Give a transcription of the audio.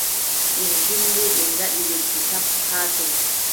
Ɓe ndilli, ɓe ngaɗi lebbi sappo haa ton.